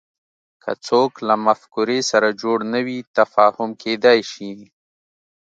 که څوک له مفکورې سره جوړ نه وي تفاهم کېدای شي